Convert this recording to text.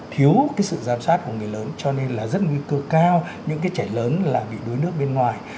thiếu cái sự giám sát của người lớn cho nên là rất nguy cơ cao những cái trẻ lớn là bị đuối nước bên ngoài